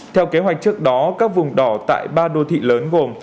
theo kế hoạch trước đó các vùng đỏ tại ba đô thị lớn gồm